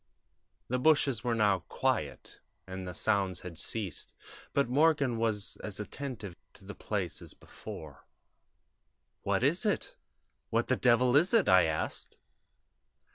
"The bushes were now quiet, and the sounds had ceased, but Morgan was as attentive to the place as before. "'What is it? What the devil is it?' I asked.